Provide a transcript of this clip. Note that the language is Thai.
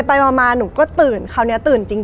ไปมาหนูก็ตื่นคราวนี้ตื่นจริง